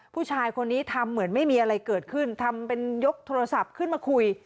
ผู้ชายคนนี้ทำเหมือนไม่มีอะไรเกิดขึ้นทำเป็นยกโทรศัพท์ขึ้นมาคุย